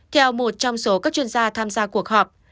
theo một trong số các chuyên gia tham gia cuộc họp